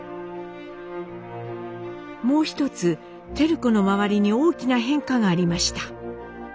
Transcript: もう一つ照子の周りに大きな変化がありました。